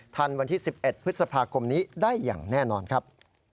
วันที่๑๑พฤษภาคมนี้ได้อย่างแน่นอนครับ